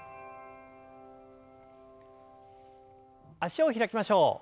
脚を開きましょう。